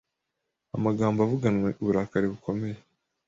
amagambo avuganwe uburakari bukabije,